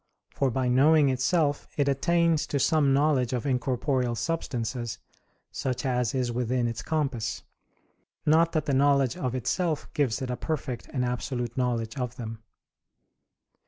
For by knowing itself, it attains to some knowledge of incorporeal substances, such as is within its compass; not that the knowledge of itself gives it a perfect and absolute knowledge of them.